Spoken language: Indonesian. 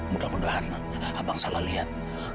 mudah mudahan abang salah lihat